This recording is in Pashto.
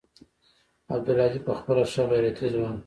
عبدالهادي پخپله ښه غيرتي ځوان و.